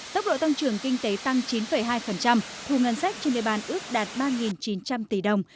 tốc độ tăng trưởng kinh tế tăng chín hai thu ngân sách trên địa bàn ước đạt ba chín trăm linh tỷ đồng